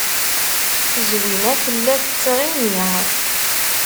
Zwina tella tettɣimi.